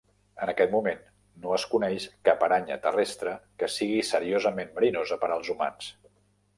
En aquest moment, no es coneix cap aranya terrestre que sigui seriosament verinosa per als humans.